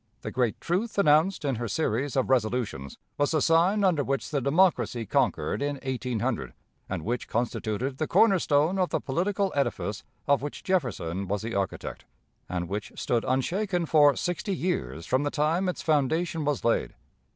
The great truth announced in her series of resolutions was the sign under which the Democracy conquered in 1800, and which constituted the corner stone of the political edifice of which Jefferson was the architect, and which stood unshaken for sixty years from the time its foundation was laid.